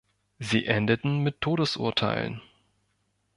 Sie endeten mit Todesurteilen.